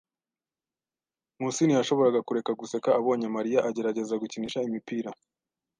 Nkusi ntiyashoboraga kureka guseka abonye Mariya agerageza gukinisha imipira.